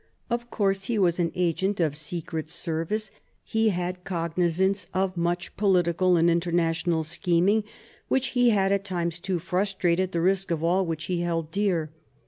Of course, as he was an agent of secret service, he had cognisance of much political and international scheming which he had at times to frustrate at the risk of all which he held dear.